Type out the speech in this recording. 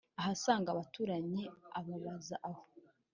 ahasanga abaturanyi ababaza aho